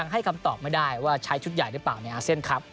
ให้คำตอบไม่ได้ว่าใช้ชุดใหญ่หรือเปล่าในอาเซียนครับ